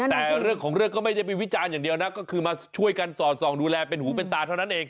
แต่เรื่องของเรื่องก็ไม่ได้ไปวิจารณ์อย่างเดียวนะก็คือมาช่วยกันสอดส่องดูแลเป็นหูเป็นตาเท่านั้นเอง